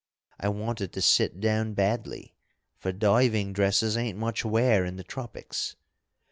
I wanted to sit down badly, for diving dresses ain't much wear in the tropics.